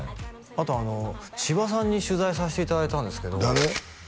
あとあの千葉さんに取材させていただいたんですけど誰？